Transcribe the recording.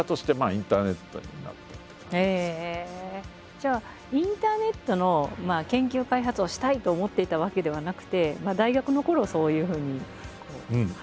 じゃあインターネットの研究開発をしたいと思っていたわけではなくて大学のころそういうふうに始めた。